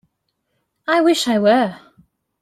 I wish I were.